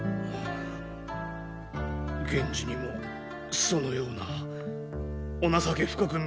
源氏にもそのようなお情け深く